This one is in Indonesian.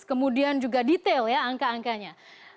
kemudian juga detail ya angka angkanya